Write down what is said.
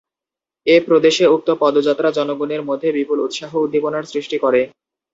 এ প্রদেশে উক্ত পদযাত্রা জনগণের মধ্যে বিপুল উৎসাহ উদ্দীপনার সৃষ্টি করে।